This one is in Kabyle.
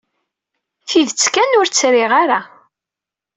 Tidet kan, ur tt-riɣ ara.